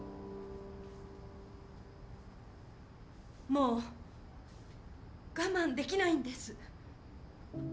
もう我慢できないんです。